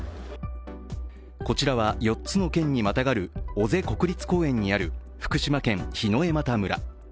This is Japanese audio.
こちらは、４つの県にまたがる尾瀬国立公園にある福島県桧枝岐村。